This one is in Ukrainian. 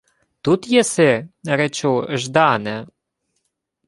— Тут єси, речу, Ждане?